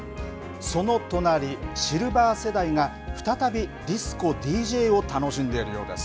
その隣、シルバー世代が再びディスコＤＪを楽しんでいるようです。